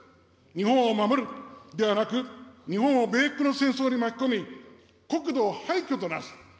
日本を守るではなく、日本を米国の戦争に巻き込み、国土を廃虚となす。